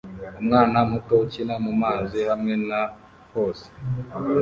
Umwana muto ukina mumazi hamwe na hose